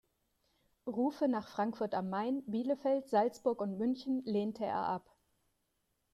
Rufe nach Frankfurt am Main, Bielefeld, Salzburg und München lehnte er ab.